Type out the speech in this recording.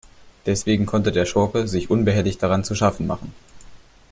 Deswegen konnte der Schurke sich unbehelligt daran zu schaffen machen.